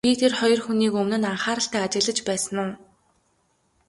Би тэр хоёр хүнийг өмнө нь анхааралтай ажиглаж байсан уу?